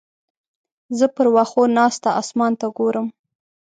زه پر وښو ناسته اسمان ته ګورم.